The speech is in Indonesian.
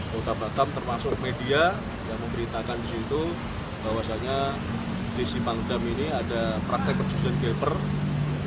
kota batam termasuk media yang memberitakan di situ bahwasannya di simangdam ini ada praktek perjudian gelanggang